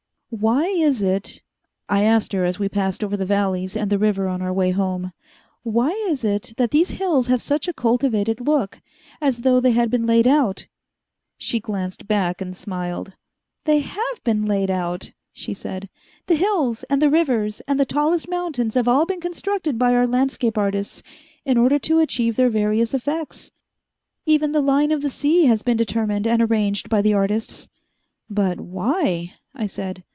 "Why is it," I asked her as we passed over the valleys and the river on our way home, "why is it that these hills have such a cultivated look as though they had been laid out?" She glanced back, and smiled. "They have been laid out," she said. "The hills, and the rivers, and the tallest mountains have all been constructed by our landscape artists in order to achieve their various effects. Even the line of the sea has been determined and arranged by the artists." "But why?" I said.